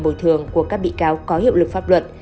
bồi thường của các bị cáo có hiệu lực pháp luật